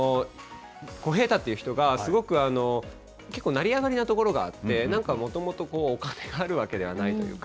小平太っていう人が、すごく結構、成り上がりなところがあって、なんかもともとお金があるわけではないというか。